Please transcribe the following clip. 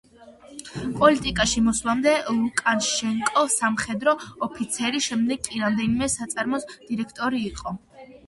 პოლიტიკაში მოსვლამდე ლუკაშენკო სამხედრო ოფიცერი, შემდეგ კი რამდენიმე საწარმოს დირექტორი იყო.